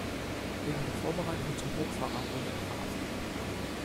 Wegen der Vorbereitung zum Hochverrat wurde er verhaftet.